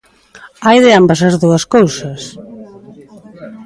Hai de ambas as dúas cousas.